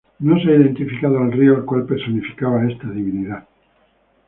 No se ha identificado al río al cual personificaba esta divinidad.